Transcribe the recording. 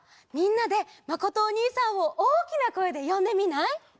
みんなでまことおにいさんをおおきなこえでよんでみない？